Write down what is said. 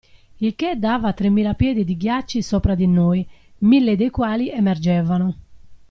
Il che dava tremila piedi di ghiacci sopra di noi, mille dei quali emergevano.